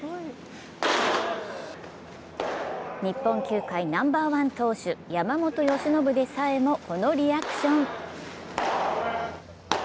日本球界ナンバーワン投手山本由伸でさえもこのリアクション。